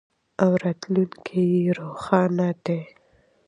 او راتلونکی یې روښانه دی.